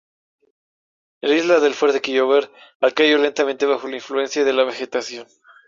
En la isla del Fuerte Kyk-over-al cayó lentamente bajo la influencia de la vegetación.